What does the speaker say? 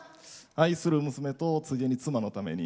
愛する娘とついでに妻のために。